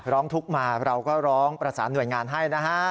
ร้องทุกข์มาเราก็ร้องประสานหน่วยงานให้นะฮะ